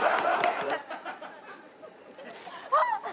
あっ！